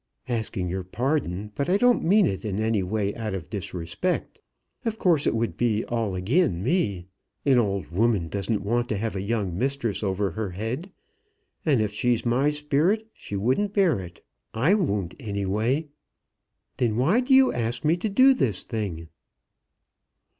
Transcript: Asking your pardon, but I don't mean it any way out of disrespect. Of course it would be all agin me. An old woman doesn't want to have a young mistress over her head, and if she's my sperrit, she wouldn't bear it. I won't, any way." "Then why do you ask me to do this thing?"